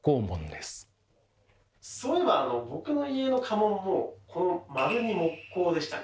そういえば僕の家の家紋もこの丸に木瓜でしたね。